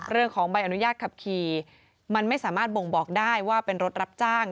เรื่องของใบอนุญาตขับขี่มันไม่สามารถบ่งบอกได้ว่าเป็นรถรับจ้าง